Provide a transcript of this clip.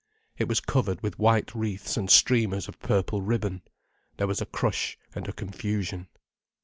It was covered with white wreaths and streamers of purple ribbon. There was a crush and a confusion.